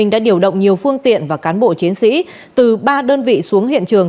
đã điều động nhiều phương tiện và cán bộ chiến sĩ từ ba đơn vị xuống hiện trường